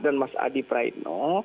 dan mas adi praino